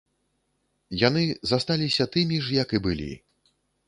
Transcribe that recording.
Яны засталіся тымі ж, як і былі.